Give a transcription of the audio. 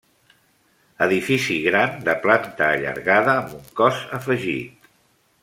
Edifici gran, de planta allargada amb un cos afegit.